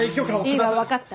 いいわ分かった。